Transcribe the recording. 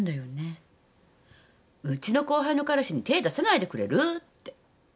うちの後輩の彼氏に手出さないでくれるって。